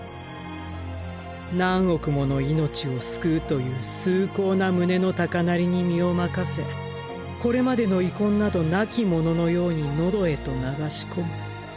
何億もの命を救うという崇高な胸の高鳴りに身を任せこれまでの遺恨などなきもののように喉へと流し込む。